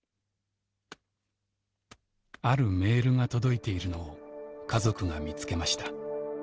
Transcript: あるメールが届いているのを家族が見つけました。